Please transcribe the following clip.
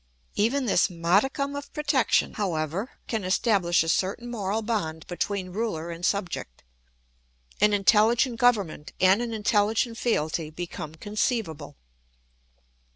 Even this modicum of protection, however, can establish a certain moral bond between ruler and subject; an intelligent government and an intelligent fealty become conceivable.